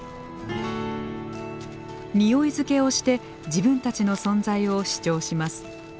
臭いづけをして自分たちの存在を主張します。